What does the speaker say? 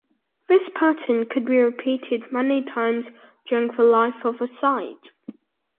This pattern could be repeated many times during the life of a site.